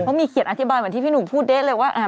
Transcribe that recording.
เขามีเขียนอธิบายเหมือนที่พี่หนุ่มพูดเด๊ะเลยว่า